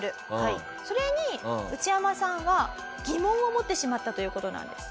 それにウチヤマさんは疑問を持ってしまったという事なんです。